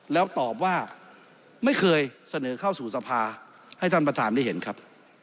แล้วตอบว่าไม่เคยเสนอเข้าสู่สภาให้ท่านประธานได้เห็นครับ